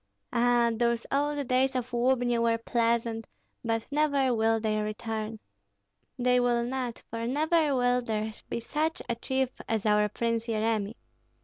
Ah, those old days of Lubni were pleasant, but never will they return. They will not, for never will there be such a chief as our Prince Yeremi.